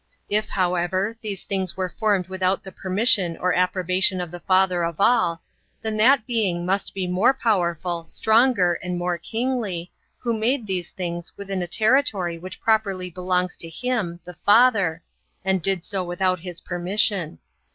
If, liowever, these things were formed without the permission or approbation of the Father of all, then that Being must be more powerful, stronger, and more kingly, who made these things within a territory which properly belongs to Him (the Father), and did so without His permission.